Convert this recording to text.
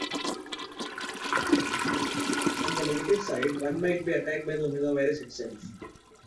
On the negative side, one might be attacked by the Omega Virus itself.